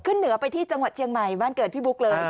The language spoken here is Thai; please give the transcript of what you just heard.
เหนือไปที่จังหวัดเชียงใหม่บ้านเกิดพี่บุ๊กเลย